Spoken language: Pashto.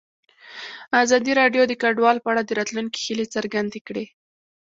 ازادي راډیو د کډوال په اړه د راتلونکي هیلې څرګندې کړې.